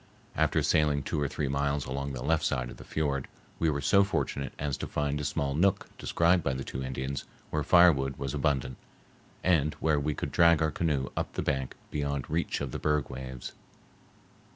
After sailing two or three miles along the left side of the fiord, we were so fortunate as to find a small nook described by the two Indians, where firewood was abundant, and where we could drag our canoe up the bank beyond reach of the berg waves.